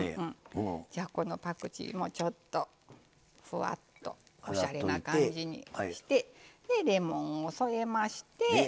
このパクチーもちょっとふわっとおしゃれな感じにしてレモンを添えまして。